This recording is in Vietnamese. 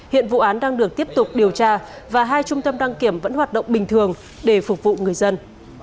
hiện vụ án đang được tiếp tục điều tra và hai trung tâm đăng kiểm vẫn hoạt động bình thường để phục vụ người dân